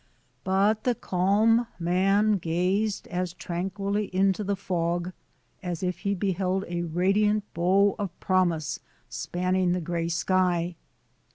But the calm man gazed as tranquilly into the fog as if he beheld a radiant bow of promise spanning the gray sky.